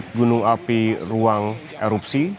gunung api ruang erupsi